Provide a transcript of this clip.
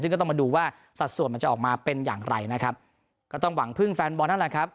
ซึ่งก็ต้องมาดูว่าสัดส่วนมันจะออกมาเป็นอย่างไรนะครับก็ต้องหวังพึ่งแฟนบอลนั่นแหละครับ